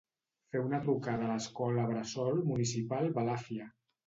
Fer una trucada a l'escola bressol municipal Balàfia.